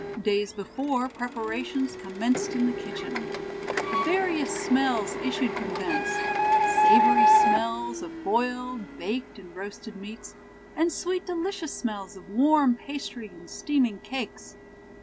Days before, preparations commenced in the kitchen. Various smells issued from thence savory smells of boiled, baked, and roasted meats; and sweet delicious smells of warm pastry and steaming cakes.